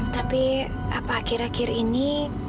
tapi apa akhir akhir ini